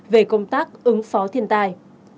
về công tác ứng phó thiên tai